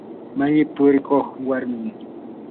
malli purikuq warmim.